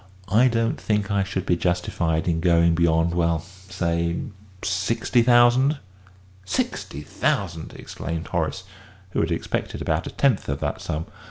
I don't think I should be justified in going beyond well, say sixty thousand." "Sixty thousand!" exclaimed Horace, who had expected about a tenth of that sum.